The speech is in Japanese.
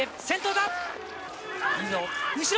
先頭だ！